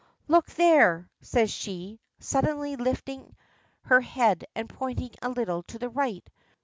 "Look there," says she, suddenly lifting her head and pointing a little to the right.